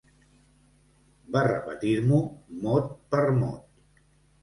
Va repetir-m'ho mot per mot.